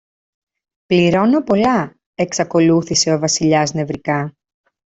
πληρώνω πολλά, εξακολούθησε ο Βασιλιάς νευρικά.